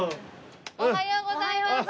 おはようございます！